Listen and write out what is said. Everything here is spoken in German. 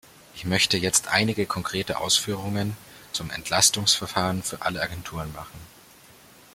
Ich möchte jetzt einige konkrete Ausführungen zum Entlastungsverfahren für alle Agenturen machen.